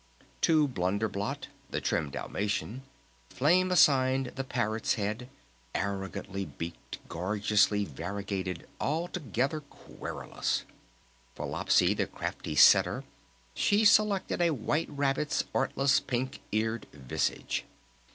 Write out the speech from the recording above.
To Blunder Blot, the trim Dalmatian, Flame assigned the Parrot's head, arrogantly beaked, gorgeously variegated, altogether querulous. For Lopsy, the crafty Setter, she selected a White Rabbit's artless, pink eared visage.